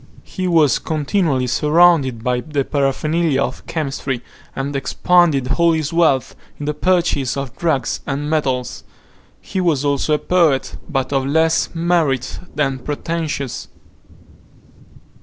He was continually surrounded by the paraphernalia of chemistry, and expended all his wealth in the purchase of drugs and metals. He was also a poet, but of less merit than pretensions.